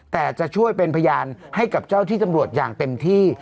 แต่จะช่วยเป็นพยานให้กับเจ้าที่ตำรวจอย่างเต็มที่